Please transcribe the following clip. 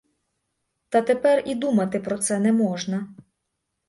Та тепер і думати про це не можна.